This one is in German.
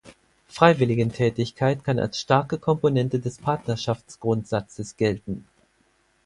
Freiwilligentätigkeit kann als starke Komponente des Partnerschaftsgrundsatzes gelten.